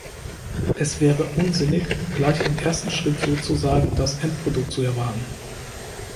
Es wäre unsinnig, gleich im ersten Schritt sozusagen das Endprodukt zu erwarten.